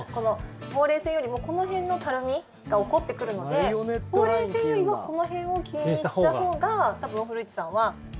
ほうれい線よりもこの辺のたるみが起こってくるのでほうれい線よりもこの辺を気にしたほうが多分、古市さんは。